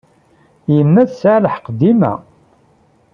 Yemma tesɛa lḥeqq dima.